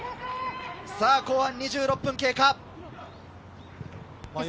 後半２６分経過。